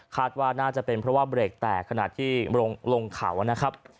ว่าน่าจะเป็นเพราะว่าเบรกแตกขณะที่ลงเขานะครับ